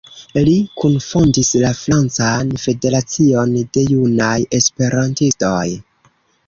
Li kunfondis la Francan Federacion de Junaj Esperantistoj.